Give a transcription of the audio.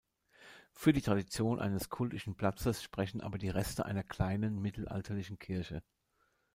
Für die Tradition eines kultischen Platzes sprechen aber die Reste einer kleinen mittelalterlichen Kirche.